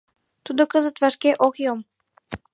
Тудо кызыт вашке ок йом.